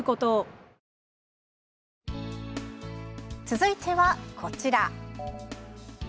続いては、こちら。